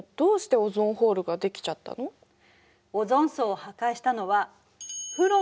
オゾン層を破壊したのは「フロン」という物質よ。